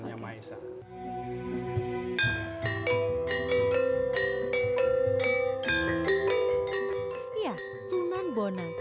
ya sunan bona